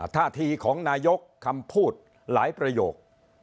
ท่าทีของนายกคำพูดหลายประโยค